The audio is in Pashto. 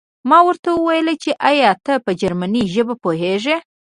ما ورته وویل چې ایا ته په جرمني ژبه پوهېږې